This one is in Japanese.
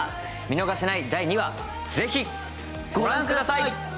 見逃せない第２話、ぜひご覧ください！